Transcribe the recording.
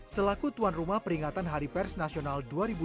selaku tuan rumah peringatan hari pers nasional dua ribu dua puluh